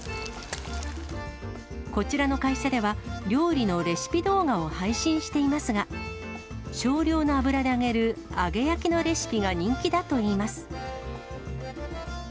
こちらの会社では、料理のレシピ動画を配信していますが、少量の油で揚げる揚げ焼きのレシピが人気だといいます。